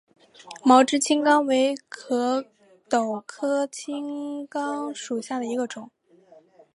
毛枝青冈为壳斗科青冈属下的一个种。